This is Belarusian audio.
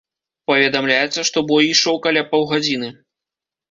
Паведамляецца, што бой ішоў каля паўгадзіны.